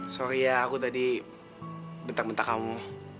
sorry ya aku tadi bentak bentak kamu